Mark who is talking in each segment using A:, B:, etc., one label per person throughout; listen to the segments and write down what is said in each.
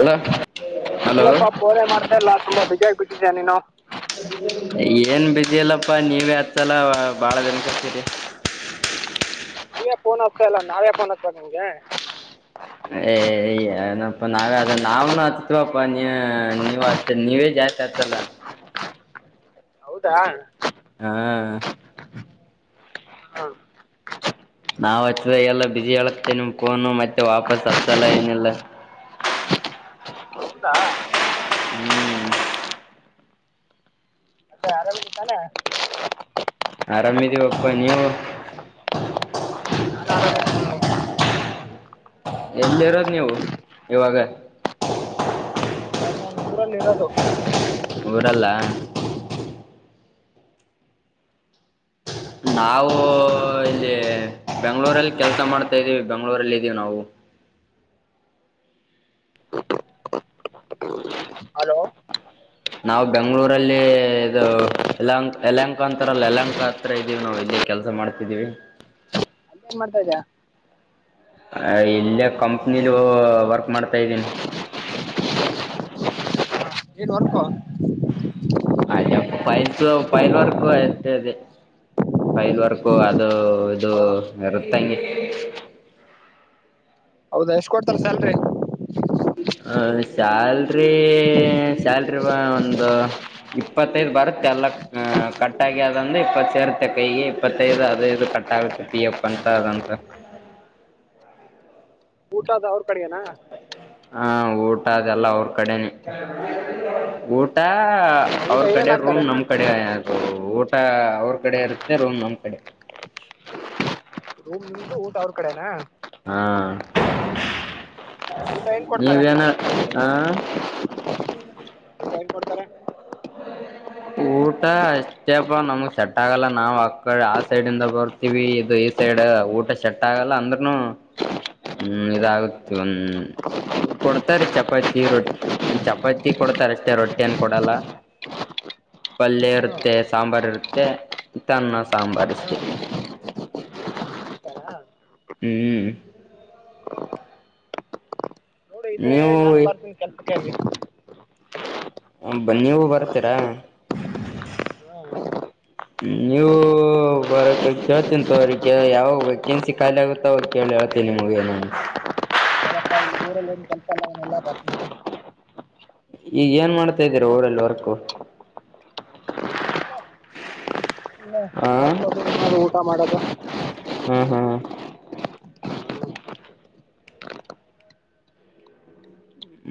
A: Hello hello
B: ಎಲ್ಲಪ್ಪಾ ಫೋನೆ ಮಾಡ್ತಯಿಲ್ಲ ತುಂಬಾ ಬ್ಯುಸಿ ಆಗ್ಬಿಟ್ಟಿದ್ಯ ನೀನು.
A: ಏನ್ ಬ್ಯುಸಿ ಇಲ್ಲಪ್ಪಾ ನೀವೇ ಹಚ್ತಾಯಿಲ್ಲ ಬಾಳ ದಿನಕಚ್ಚೀರಿ. [inaudible]
B: ನೀವೆ ಫೋನ್ ಹಾಕ್ತಾ ಇಲ್ಲ ನಾವೇ ಫೋನ್ ಹಾಕ್ಲ ನಿಮ್ಗೆ?
A: ಏ ಏನಪ್ಪಾ ನಾವೇ ಅದ ನಾವ್ ಹಾಕ್ತೀವಪ್ಪ ನೀ ನೀವ್ ಹಾಕ್ತಿ ನೀವೆ ಜಾ ಆಯ್ತ್ ಆಯ್ತೆಲ್ಲ.
B: ಹೌದಾ?
A: ಹಾಂ
B: [unintelligible]
A: ನಾವ್ ಹಚ್ವಾಗೆಲ್ಲ ಬ್ಯುಸಿಯಾಗಿರುತ್ತೆ ನಿಮ್ ಫೋನು ಮತ್ತೆ ವಾಪಸ್ ಹಚ್ಚಲ್ಲ ಏನಿಲ್ಲ. [inaudible]
B: ಹೌದಾ?
A: ಹ್ಮ್
B: ಎಲ್ಲ ಆರಾಮಿದ್ ತಾನೆ?
A: ಆರಾಮಿದೀವಪ್ಪಾ ನೀವು?
B: [unintelligible]
A: ಎಲ್ಲಿರೋದ್ ನೀವು ಇವಾಗ?
B: ನಾನೂರಲ್ಲಿರದು.
A: ಊರಲ್ಲ? ನಾವು ಇಲ್ಲಿ ಬೆಂಗ್ಳೂರಲ್ ಕೆಲ್ಸ ಮಾಡ್ತಾಯಿದೀವಿ ಬೆಂಗ್ಳೂರಲ್ಲಿದೀವಿ ನಾವು.
B: ಹಲೋ
A: ನಾವ್ ಬೆಂಗ್ಳೂರಲ್ಲಿ ಇದು ಯಲಂಕ್ ಯಲಂಕ ಅಂತಾರಲ್ಲ ಯಲಂಕ ಹತ್ರ ಇದೀವಿ ನೋಡಿ ಇ ತೆ ಕೆಲ್ಸ ಮಾಡ್ತಿದ್ದೀವಿ.
B: [unintelligible]
A: ಅ ಇಲ್ಲೆ ಕಂಪ್ನಿಲ್ ಓ ವರ್ಕ್ ಮಾಡ್ತಾ ಇದ್ದೀನಿ. [inaudible]
B: ಇದ್ ವರ್ಕೊ
A: ಆಯ್ದಪ್ಪ ಫೈಲ್ಸ್ ಫೈಲ್ ವರ್ಕ್ ಅಷ್ಟೆದೆ ಫೈಲ್ ವರ್ಕು ಅದು ಹೌದು ಇರುತ್ತಂಗೆ.
B: ಹೌದಾ ಎಷ್ಟ್ ಕೊಡ್ತಾರ್ ಸ್ಯಾಲ್ರಿ?
A: ಸ್ಯಾಲ್ರಿ ಸ್ಯಾಲ್ರಿ ವ ಒಂದು ಇಪ್ಪತ್ತೈದ್ ಬರುತ್ತೆ ಎಲ್ಲ ಅ ಕಟ್ಟಾಗಿ ಅದೊಂದು ಇಪ್ಪತ್ ಸೇರುತ್ತೆ ಕೈಗೆ ಇಪ್ಪತ್ತೈದು ಅದು ಇದು ಕಟ್ ಟಾಗುತ್ತೆ ಪಿ ಎಫ್ ಅಂತ ಆದಂತ.
B: ಊಟದ ಅವ್ರ್ ಕಡೆನಾ?
A: ಹಾಂ ಊಟ ಅದೆಲ್ಲ ಅವ್ರ್ ಕಡೆನೆ ಊಟ
B: ಊಟ
A: ಅವ್ರ್
B: ಏನೇನು
A: ಕಡೆ ರೂಮ್
B: ಹಾಕ್ತಾರೆ
A: ನಮ್ ಕಡೆ ಅದು ಊ ಟ ಅವ್ರ್ ಕಡೆ ಇರುತ್ತೆ ರೂಮ್ ನಮ್ ಕಡೆ.
B: ರೂಮ್ ನಿು ಊಂಟ ಅವ್ರ ಕಡೆನಾ
A: ಹಾ
B: ಊಟ ಏನು ಕೊಡ್ತಾರೆ
A: ನೀವನ ಹಾ
B: ಊಟ ಏನು ಕೊಡ್ತಾರೆ
A: ಹ ಊಟ ಅಷ್ಟೇಪ್ಪ ನಮಗ್ ಸೆಟ್ ಆಗಲ್ಲ ನಾವ್ ಆ ಆ ಸೈಡ್ ಇಂದ ಬರ್ತೀವಿ ಇದು ಈ ಸೈಡ್ ಊಟ ಸೆಟ್ ಆಗಲ್ಲ ಅಂದ್ರನು ಹ್ಮ್ ಇದಾಗುತ್ತೆ ಒಂದ ಕೊಡ್ತಾರ ಚಪಾತಿ ರೊಟ್ಟ ಚಪಾತಿ ಕೊಡ್ತಾರ ಅಷ್ಟೇ ರೊಟ್ಟಿಯನ್ ಕೊಡಲ್ಲ ಪಲ್ಯ
B: ಹಾಂ
A: ಇರುತ್ತೆ ಸಾಂಬಾರ್ ಇರುತ್ತೆ ತನ್ನ ಸಾಂಬಾರಷ್ಟತೇ
B: ಕೊಡ್ತಾರಾ?
A: ಹ್ಮ್
B: ನೋಡು ಇದ್ರೆ ಹೇಳಿ
A: ನೀವು
B: ನಾನು ಬರ್ತೀನಿ ಕೆಲ್ಸಕ್ಕೆಗ
A: ಬನ್ನ ನೀವು ಬರ್ತೀರಾ
B: ಹಾಂ
A: ನೀವು ಬರ ಕೇಳ್ತೀನಿ ತ ಅವ್ರ ಯಾವ ವೆೇಕೆನ್ಸಿ ಖಾಲಿ ಆಗುತ್ತ ಅವಾಗ ಕೇಳಿ ಹೇಳ್ತಿ ನಿಮಗ ಏನ
B: ಊರಲ್ಲ ಕ ನಲ್ಲಾ
A: ಈಗ ಏನ್ ಮಾಡ್ತಾ ಇದ್ದೀರ ಊಡಲ್ಲಿ ವರ್ಕ್ು
B: ಇಲ್ಲ ಮತ್ತ ಊಟ ಮಾಡದು
A: ಹ್ಮ್ ಹ್ಮ್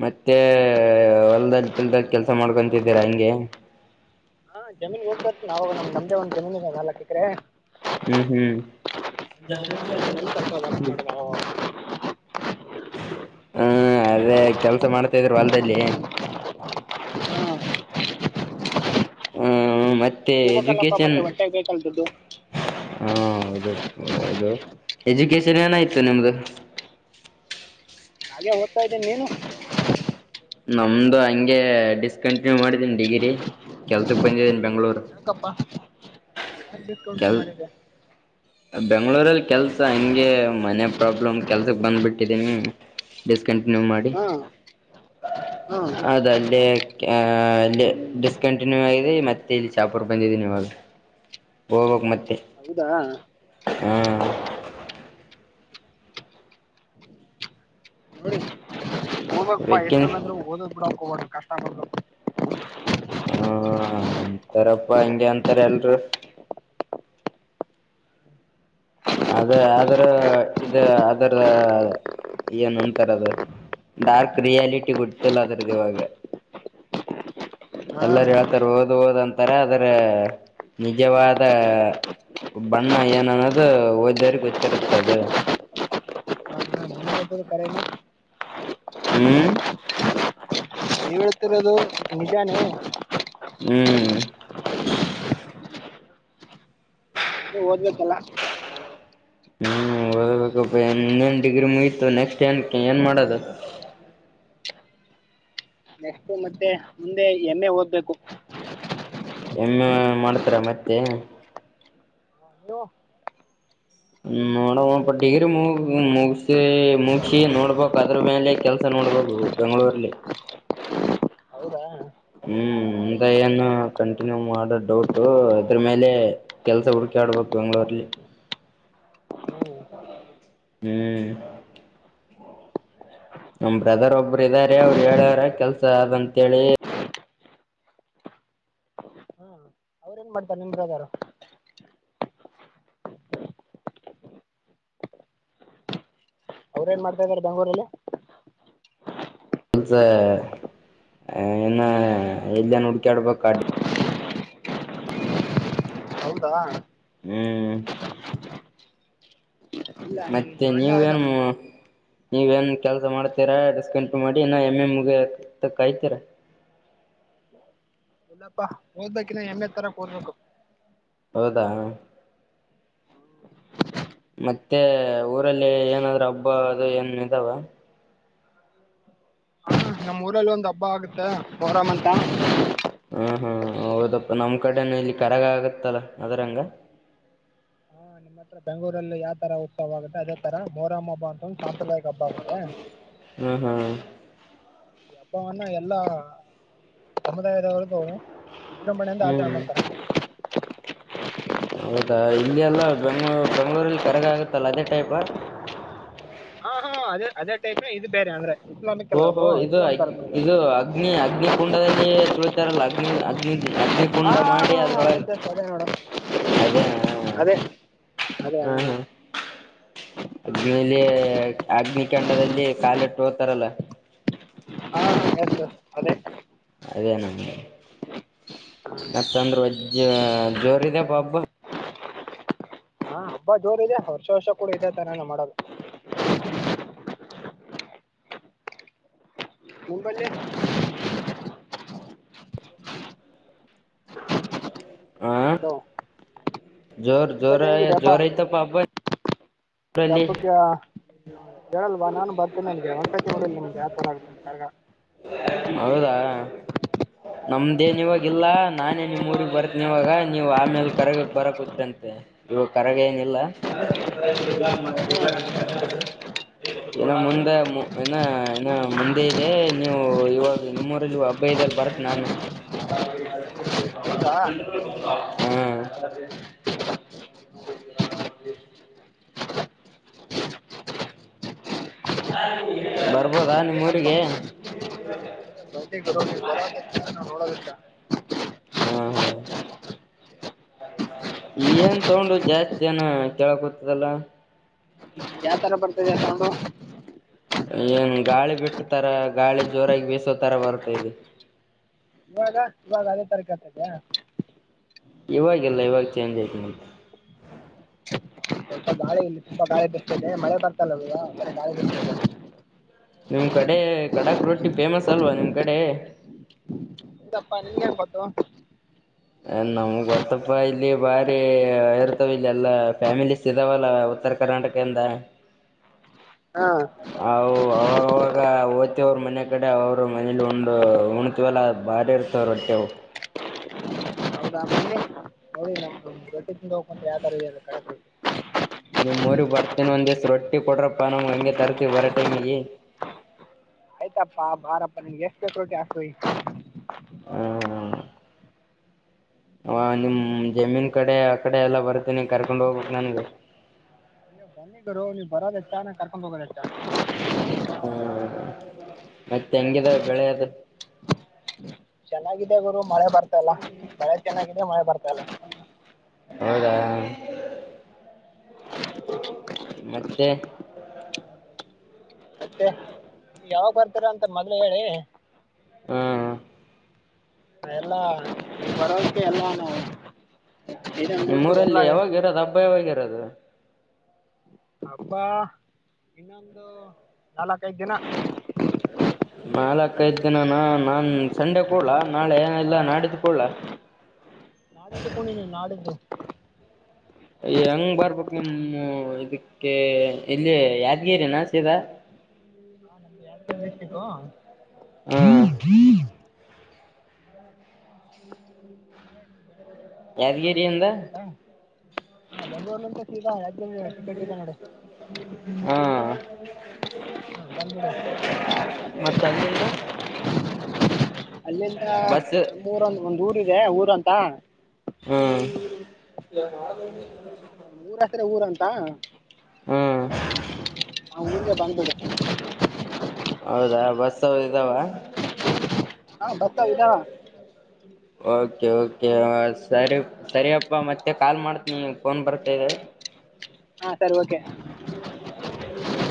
A: ಮತ್ತೆ ಹೊಲ್ದದ ಬಿಲ್ದ ಕೆಲ್ಸ ಮಾಡ್ಕೊಂತಿದ್ದೀರಾ ಹಂಗೆ
B: ಹಾ ಜಮೀನ್ ಹೋಗ್ಬೇಕತತಿ ನಾವಾಗ ನಮ ನಮ್ದೇ ಒಂದ ಜಮೀನು ಅಾಕ್ಕಕ್ರೆ
A: ಹ್ಮ್ ಹ್ಮ್
B: ಮಾಡೋದು ಅವಾಗ
A: ಹ್ಮ ಅದೇ ಕೆಲ್ಸ ಮಾಡ್ತಾ ಇದ್ರು ಹೊಲ್ದಲ್ಲಿ ಹ್ಮ ಮತ್ತೆ
B: ಹೋಗಬೇಕಲ್ಲಪ್ಪ
A: ಎಜುಕೇಶನ್
B: ಮತ್ತೆ ಹೊಟ್ಟೆ ಬೇಕಲ್ಲ ದುಡ್ಡು
A: ಹಾ ಹೌದು ಹೌದು ಎಜುಕೇಶನ್ ಏನಾಯ್ತು ನಿಮ್ದು
B: ಹಾಗೆ ಓದ್ತಾ ಇದ್ದೇನೆಿ ನೀನು
A: ನಮ್ದು ಹಂಗೆ ಡಿಸ್ಕಂಟಿನ್ಯೂ ಮಾಡಿದೀನಿ ಡಿಗ್ರಿ ಕೆಲ್ಸಕ್ ಬಂದಿದ್ದೀಿ ಬೆಂಗಗಳೂರು
B: ಯಾಕಪ್ಪಾ ಯಾ ಡಿಸ್ಕೌಂಟ್ ಇನ್ ಮಾಡಿದೆೆ
A: ಬೆಂಗ್ಳೂರಲ್ಲಿ ಕೆಲ್ಸ ಹಂಗೆ ಮನೆ ಪ್ರಾಬ್ಲಮ್ ಕೆಲ್ಸಕ್ ಬಂದ್ ಬಿಿಟ್ಟಿದೀನಿ ಡಿಸ ಕಂಟಿನ್ಯೂ ಮಾಡಿ
B: ಹಾಂ ಹಾಂ
A: ಅದ ಅಲ್ಲೇ ಆ ಅಲ್ಲಿ ಡಿಸ್ಕಂಟಿನ್ಯೂ ಆಗಿದೆ ಮತ್ತೆ ಇಲ್ಲಿ ಚಾಪೂರ್ ಬಂದಿದೆ ನೀವ ಹೋಗ್ಬೇಕಕ್ ಮತ್ತೆ
B: ಹೌದಾ
A: ಹ್ಮ್
B: ಓದಕ್ಪ್ಪಾ
A: ಬೇಕೇನ್
B: ಎಷ್ಟು ಬಂದು ಓದಕ್ ಬಿಡಕ್ ಹೋಗ ಕಷ್ಟ ಕೊಬೇಕ
A: ಹಾ ಅಂತಾರಪ್ಪಾ ಹಿಂಗಗೆ ಅಂತಾರ ಎಲ್ರು ಅದೇ ಅದ್ರ ಇ ಅದರ ಏನಂತಾರೆ ಅದ ಡಾರ್ಕ್ ರಿಯಾಲಿಟಿ ಗುತಿಲ್ಲ ಅದ್ರದದು ಇವಾಗ [inaudible] ಎಲ್ಲರ
B: ಹಾಂ
A: ಹೇಳ್ತಾರ ಓದ್ ಓದ್ ಅಂತಾರ ಅದರ ನಿಜವಾದ ಬಣ್ಣ ಏನ ಅನ್ನೋದು ಒದ್ದರಿ ಹ್ತರುತ್ತದ
B: ರ
A: ಹ್ಮ್
B: ಹೇಳ್ತಿರೋದು ನಿಜಾನೇ
A: ಹ್ಮ್
B: ರು ಓದ್ಬೇಕಲ್ಲ
A: ಹ್ಮ್ ಹಬೇಕಪ್ಪ ಇನ್ನೇನ್ ಡಿಗ್ರಿ ಮುಯತು ನೆಕ್ಸ್ಟ್ ಏನ್ ಏನ್ ಮಾಡೋದು
B: ನೆಕ್ಸ್ಟ್ ಮತ್ತೆ ಮುಂದೆ ಏಮ್ ಏ ಓದ್ಬೇಕು.
A: ಏಮ್ ಏ ಮಾಡ್ತೀರಾ ಮತ್ತೆ -
B: ನೀವು
A: ಹ ನೋಡುವಾ ಬಟ್ ಡಿಗ್ರಿ ಮುಗ ಮುಗ್ಸಿ ಮುಗಸಿ ನೋಡ್ಬಕ್ ಅದ್ರ ಮೇಲೆ ಕೆಲ್ಸ ನೋ ನೋಡ್ಬೇಕು ಬೆಂಗಳೂರಲ್ಲಿ.
B: ಹೌದಾ
A: ಹ್ಮ್ ಇದ ಏನು ಕಂಟಿನ್ಯೂ ಮಾಡೋದ ಡೌಟು ಅದ್ರ ಮೇಲೆ ಕೆಲ್ಸ ಹುಡುಕಿ - ಹುಡುಕ್ಯಾಡಬೇಕ ಬೆಂಗಳೂರಲ್ಲಿ.
B: ಹ್ಞೂ
A: [inaudible] ಹ್ಮ್. ನಮ್ ಬ್ರದರ್ ಒಬ್ಬರು ಇದ್ದಾರೆ ಅವರು ಹೇಳ್ಯಾರ ಕೆಲ್ಸ ಆದ ಅಂತಹೇಳಿ.
B: ಅವ್ರ ಏನ್ ಮಾಡ್ತಾರೆ ನಿಮ್ಮ್ ಬ್ರದರ ಅವ್ರ ಏನ್ ಮಾಡ್ತಿದಾರೆ ಬೆಂಗಳೂರಲ್ಲಿ?
A: ಕೆಲ್ಸ [inaudible] ಎಲ್ಲಿ ಏನ್ ಹುಡಕ್ಯಾಡಬೇಕ
B: ಹೌದಾ
A: ಹ್ಮ್
B: ಇಲ್ಲ ನಿಮ್
A: ಮತ್ತೆ ನೀವ
B: ಅಣ್ಣ ಇದ
A: ಏನೂ ಈಗ ಏನ್ ಕೆಲ್ಸ ಮಾಡ್ತೀರಾ ಡಿಸ್ಕೌಂಟ್ ಮಾಡಿ ಇನ್ನ ಎಮ್ ಎ ಮುಗಿಯೋತಾನ ಕಾಯ್ತೀರಾ? [unintelligible]
B: ಇಲ್ಲಪ್ಪಾ ಓದ್ಬೇಕ ಇನ್ನ ಎಮ್ ಎ ತರಕ್ ಓದ್ಬೇಕು.
A: ಹೌದಾ ಮತ್ತೆ ಊರಲ್ಲಿ ಏನಾದ್ರೂ ಹಬ್ಬ ಅದು ಏನ್ ಇದಾವ?
B: ನಮ್ಮ ಊರಲ್ಲಿ ಒಂದ್ ಹಬ್ಬ ಆಗುತ್ತೆ ಮೊಹರಂ ಅಂತ.
A: ಹಾ ಹಾ ಹೌದಪ್ಪ ನಮ್ ಕಡೆನ ಇಲ್ಲಿ ಕರಗ ಆಗತ್ತಲ್ಲ ಅದ್ರಂಗ [unintelligible]
B: [inaudible] ಬೆಂಗಳೂರಲ್ಲಿ ಯಾವ ತರ ಉತ್ಸವ ಆಗುತ್ತೆ ಅದೇ ತರ ಮೊಹರಂ ಹಬ್ಬ ಅಂತ ಒಂದ್ [inaudible] ಹಬ್ಬ ಆಗುತ್ತೆ.
A: ಹ್ಮ್ ಹ್ಮ್
B: ಈ ಹಬ್ಬವನ್ನ ಎಲ್ಲಾ ಸಮುದಾಯದವರದು ವಿಜ್ರಮಣೆಯಿಂದ ಆಚರಣೆ
A: ಹ್ಮ್
B: ಮಾಡ್ತಾರ.
A: ಹೌದಾ ಇಲ್ಲಿ ಎಲ್ಲಾ ಬೆಂಗಳೂರು ಬೆಂಗಳೂರಲ್ಲಿ ಕರಗ ಆಗತ್ತಲ್ಲ ಅದೇ ಟೈಪಾ
B: ಹಾ ಹಾ ಅದೇ ಅದೇ ಟೈಪ್ ಇದು ಬೇರೆ ಆದ್ರೇ.
A: ಓ ಓಹೋ ಇದು ಅಗ್ ಇದು ಅಗ್ನಿ ಅಗ್ನಿ ಕುಂಡದಲ್ಲಿ ತುಳಿತಾರಲ್ಲ ಅಗ್ನಿ ಅಗ್ನಿ ಅಗ್ನಿ
B: ಹಾ
A: ಕುಂಡ
B: ಹಾ
A: ಮಾಡಿ
B: ಹಾ
A: ಅದ್ರೊಳಗ
B: ಎಸ್ ಎಸ್ ಅದೇ ನೋಡು
A: ಅದೇನಾ
B: ಅದೇ ಅದೇ ಹಾ
A: ಅಗ್ನಿಲಿ ಅಗ್ನಿಕಾಂಡದಲ್ಲಿ ಕಾಲಿಟ್ಟು ಹೋಗ್ತಾರಲ್ಲ -
B: ಹಾ ಎಸ್ ಎಸ್ ಅದೇ.
A: ಅದೇ ನಗೆ ಮತ್ತಂದ್ರೆ ವಜ್ಜ ಜೋರ ಇದೇ ಹ ಹಬ್ಬ.
B: ಹ ಹಬ್ಬ ಜೋರ ಇದೆ ವರ್ಷ ವರ್ಷ ಕೂಡ ಇದೆ ತರಾನು ಮಾಡೋದು. [inaudible]
A: ಹ
B: ಹಲೋ -
A: ಜೋರ್ ಜೋರ ಜೋರ ಐತಿಪಾ ಹಬ್ಬ
B: ಮತ್ತೆ
A: ನಿಮ್ಮೂರಲ್ಲಿ
B: ಹಬ್ಬಕ್ಕೆ ಹೇಳಲ್ವಾ ನಾನು ಬರ್ತೇನ ಅಲ್ಲಿಗ ಒಂದ್ಸರ್ತಿ ನೋಡಿಲ್ಲ ನಿಮ್ಮ ಜಾತ್ರಿ [inaudible] ಕರಗ
A: ಹೌದಾ. ನಮ್ದೇನ್ ಇವಾಗಿಲ್ಲಾ ನಾನೇ ನಿಮ್ ಊರಿಗ್ ಬರ್ತಿನೀ ಇವಾಗ ನೀವ್ ಆಮೇಲ್ ಕರಗಕ್ ಬರಕಕುತ್ರಿ ಅಂತ ಇವು ಕರಗ ಏನಿಲ್ಲ. [inaudible] ಇನ್ನ ಮುಂದ ಇನ್ನ ಇನ್ನ ಮುಂದೆ ಇದೆ ನೀವು ಓ ಇವಾಗ ನಿಮ್ಮರಲ್ಲಿ ಹಬ್ಬ ಇದೆಯಲ್ಲ ಬರ್ತೇನ ನಾನು
B: ಹೌದಾ
A: [unintelligible] ಹಾ. ಬರ್ಬೋದಾ ನಿಮ್ಮೂರಿಗೆ
B: [inaudible] ನೀ ಬರೋದ ಹೆಚ್ಚಾ ನಾವ್ ನೋಡೋದ ಹೆಚ್ಚಾ.
A: ಹಾ ಹಾ. ಏನ್ ಸೌಂಡ್ ಜಾಸ್ತಿ ಏನ ಕೇಳಕ್ತದಲ್ಲ
B: ಯಾ ತರ ಬರ್ತದೆ ಸೌಂಡು
A: ಏನ್ ಗಾಳಿ ಬಿಟ್ಟ ತರ ಗಾಳಿ ಜೋರಾಗಿ ಬೀಸೋ ತರ ಬರುತ್ತೈದೆ
B: ಇವಾಗ ಇವಾಗ ಅದೇ ತರ ಕೇಳತ್ತದ
A: ಇವಾಗ ಇಲ್ಲ ಇವಾಗ ಚೇಂಜ್ ಐತ್ ನೋಡ್
B: ಸ್ವಲ್ಪ ಗಾಳಿ ಇಲ್ಲಿ ಸ್ವಲ್ಪ ಗಾಳಿ ಬಿಸ್ತೈದೆ ಮಳೆ ಬರ್ತಲ್ಲ ಇವಾಗ ಗಾಳಿ ಬಿಸ್
A: ನಿಮ್ ಕಡೆ ಕಡಾಕ್ ರೊಟ್ಟಿ ಫೇಮಸ್ ಅಲ್ವಾ ನಿಮ್ ಕಡೆ
B: ಹೌದಪ್ಪ ನಿನ್ನಗೇನ್ ಗೊತ್ತು
A: ನಮಗ್ ಗೊತ್ತಪ್ಪ ಇಲ್ಲಿ ಬಾರಿ ಇರ್ತವಿ ಇಲ್ಲಿ ಎಲ್ಲಾ ಫ್ಯಾಮಿಲಿಸ್ ಇದಾವಲ್ಲ ಉತ್ತರ ಕರ್ನಾಟಕ ಇಂದ
B: ಹಾ
A: ಅವಾಗ ಅವಾಗ ಹೋ ಮತ್ತ್ ಅವ್ರ ಮನೆ ಕಡೆ ಅವ್ರ ಮನೇಲಿ ಉಂಡ್ ಉಣತಿವಲ್ಲ ಬಾರಿ ಇರ್ತವ್ರಲ್ಲ ರೊಟ್ಟಿ ಅವು
B: ಅವುದ ನೋಡಿ ನಮ್ ರೊಟ್ಟಿ ತಿಂದ ಹೋಗಕಂತ್ ಯಾವ ತರ ಈ ಕಡಾಕ್ ರೊಟ್ಟಿ
A: ನಿಮ್ಮೂರಿಗ್ ಬರ್ತೀನ್ ಒಂದ್ ದಿವಸ ರೊಟ್ಟಿ ಕೊಡ್ರಪ್ಪಾ ನಮ್ ಹಂಗೆ ತರ್ತಿವಿ ಬರ ಟೈಮಿಗೆ [unintelligible]
B: ಆಯ್ತಪ್ಪಾ ಬಾರಪ್ಪಾ ನಿನಗೆ ಎಷ್ಟ್ ಬೇಕ್ ರೊಟ್ಟಿ ಓಯಿ
A: ಹ ಹ ಆ ನಿಮ್ ಜಮೀನ್ ಕಡೆ ಆ ಕಡೆ ಎಲ್ಲಾ ಬರ್ತೀನಿ ಕರ್ಕೊಂಡ್ ಹೋಗ್ಬೇಕ್ ನನಗ [unintelligible]
B: ಎ ಬನ್ನಿ ಗುರು ನೀವು ಬರೋದ್ ಹೆಚ್ಚ ನಾನ್ ಕರ್ಕೊಂಡ್ ಹೋಗೋದ ಹೆಚ್ಚ
A: ಹ್ಮ ಮತ್ತೆ ಹೆಂಗಿದಾವ್ ಬೆಳೆ ಅದು
B: ಚೆನ್ನಾಗಿದೆ ಗುರು ಮಳೆ ಬರ್ತಾ ಇಲ್ಲ ಬೆಳೆ ಚೆನ್ನಾಗಿದೆ ಮಳೆ ಬರ್ತಾ ಇಲ್ಲ
A: ಹೌದಾ ಮತ್ತೆ
B: ಮತ್ತೆ ಯಾವಾಗ ಬರ್ತೀರಾ ಅಂತ ಮೊದಲ್ಲೇ ಹೇಳಿ
A: ಹ್ಮ
B: ಎಲ್ಲಾ ಬರೋಕ್ಕೆೆ ಎಲ್ಲಾ ನಾವು ಏನೇನು
A: ನಿಮ್
B: ಬೇಕು ಎಲ್ಲ
A: ಊರಲ್ಲಿ ಯಾವಾಗ ಇರೋದು ಹಬ್ಬ ಯಾವಾಗ ಇರೋದು
B: ಹಬ್ಬ ಇನ್ನೊಂದು ನಾಲ್ಕೈದ್ ದಿನ
A: [unintelligible] ನಾಲ್ಕೈದ್ ದಿನನ ನಾನ್ ಸಂಡೆ ಕೂಡ್ಲಾ ನಾಳೆ ಇಲ್ಲ ನಾಳಿದ್ದು ಕೂಡ್ಲಾ [unintelligible]
B: ನಾಳಿ ತುಕೊಂಡಿ ನೀವು ನಾಳಿದ್ದು
A: ಯ ಹಂಗ್ ಬರ್ಬೇಕ್ ನಿಮ್ಮ್ ಇದಕ್ಕೆ ಇಲ್ಲಿ ಯಾದಗಿರಿ ಸೀದಾ [unintelligible]
B: ಯದಗಿರಿ ಡಿಸ್ಟಕ್
A: ಹ್ಮ್
B: ಆದ್ರೆ ನೀವ್ ಬೆಂಗಳೂರಲ್ಲಿ ಕುಂತ್ಬಿಡಿ
A: ಯಾದಗಿರಿಯಿಂದ
B: ಬೆಂಗಳೂರಿಂದ ಆ ಬೆಂಗಳೂರಿಂದ ಸೀದಾ ಯಾದ್
A: ಹಾ
B: ಹ್ಮ್, ಬಂದ್ಬಿಡಿ
A: ಮತ್ತೆ ಅಲ್ಲಿಂದ
B: ಅಲ್ಲಿಂದ
A: ಬಸ್
B: ನಮ್ಮೂರ್ ಅಂತ ಒಂದ್ ಊರು ಇದೆ ಊರ್ ಅಂತ
A: ಹ್ಮ್
B: ತ
A: ಹ್ಮ್
B: ಊರಿಗೆ ಬಂದ್ ಬಿಡು
A: ಹೌದಾ ಬಸ್ ಇದ್ದಾವ
B: ಹ ಬಸ್ಸ ಇದಾವ
A: ಓಕೆ ಓಕೆ ಸರಿ ಸರಿಯಪ್ಪ ಮತ್ತೆ ಕಾಲ್ ಮಾಡ್ತನಿ ಈಗ ಫೋನ್ ಬರ್ತಾದೆ
B: ಹಾ ಸರಿ ಓಕೆ
A: ಹೆ